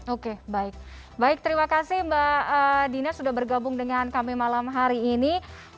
oke baik baik terima kasih mbak dina sudah bergabung dengan kami malam hari ini